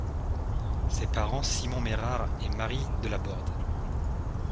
Ses parents Simon Mérard et Marie de La Borde.